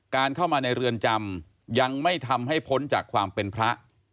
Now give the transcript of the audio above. เข้ามาในเรือนจำยังไม่ทำให้พ้นจากความเป็นพระ